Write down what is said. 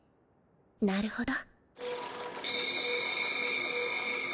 なるほど。